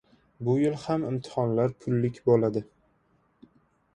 Bu yil ham imtihonlar pullik bo‘ladi